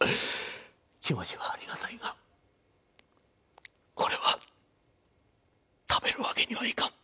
気持ちはありがたいがこれは食べるわけにはいかん。